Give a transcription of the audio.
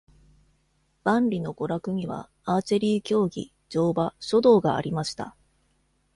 万里の娯楽には、アーチェリー競技、乗馬、書道がありました。